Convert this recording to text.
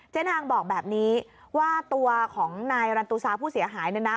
นางบอกแบบนี้ว่าตัวของนายรันตุซาผู้เสียหายเนี่ยนะ